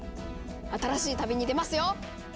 新しい旅に出ますよ！